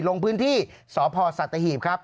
ลงพื้นที่สพสัตหีบครับ